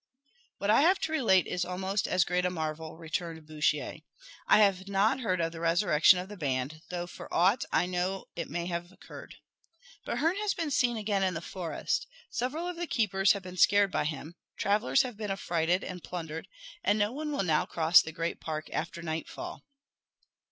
"What I have to relate is almost as great a marvel," returned Bouchier. "I have not heard of the resurrection of the band though for aught I know it may have occurred. But Herne has been seen again in the forest. Several of the keepers have been scared by him travellers have been affrighted and plundered and no one will now cross the great park after nightfall."